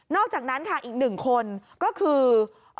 อกจากนั้นค่ะอีกหนึ่งคนก็คือ